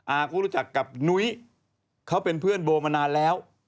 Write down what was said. อาก็รู้จักกับนุ้ยเขาเป็นเพื่อนโบมานานแล้ว